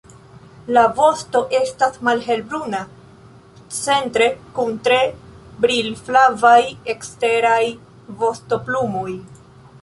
La vosto estas malhelbruna centre kun tre brilflavaj eksteraj vostoplumoj.